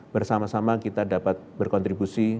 bersama sama kita dapat berkontribusi